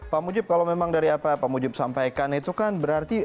pak mujib kalau memang dari apa pak mujib sampaikan itu kan berarti